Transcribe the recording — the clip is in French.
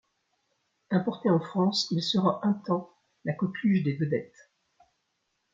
Importé en France, il sera un temps la coqueluche des vedettes.